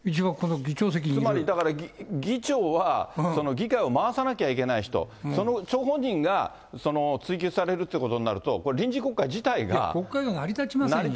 つまり議長は、議会を回さなきゃいけない人、その張本人が、その追及されるっていうことになると、これ、臨時国会が成り立ちませんよ。